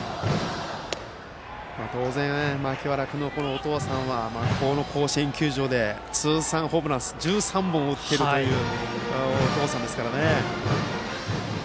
当然、清原君のお父さんはこの甲子園球場で通算ホームラン１３本を打っているというお父さんですからね。